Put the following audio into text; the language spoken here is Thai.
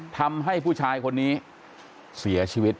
ทำให้ผู้ชายคนนี้เสียชีวิต